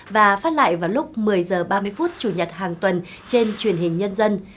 và phát lại vào lúc một mươi h ba mươi phút chủ nhật hàng tuần trên truyền hình nhân dân